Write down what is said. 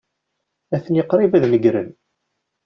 Atni qrib ad negren.